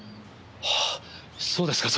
ああそうですか。